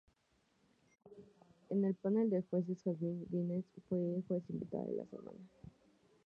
En el panel de jueces, Jasmine Guinness fue juez invitada de la semana.